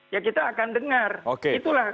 ya kita akan dengar itulah